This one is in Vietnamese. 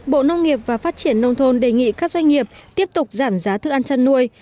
bộ nông nghiệp và phát triển nông thôn đề nghị các doanh nghiệp tiếp tục giảm giá thức ăn chăn nuôi